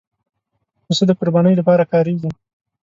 پسه د قربانۍ لپاره کارېږي.